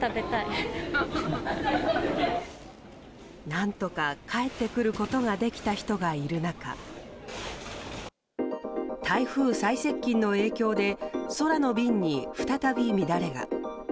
何とか帰ってくることができた人がいる中台風再接近の影響で空の便に再び乱れが。